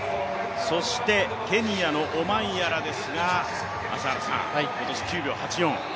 そしてケニアのオマンヤラですが、今年９秒８４。